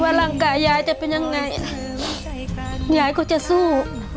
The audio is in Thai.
วันหลังกายหยายจะเป็นยังไงหยายเขาจะสู้